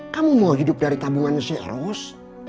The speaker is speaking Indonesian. kamu mau hidup dari tabungan siros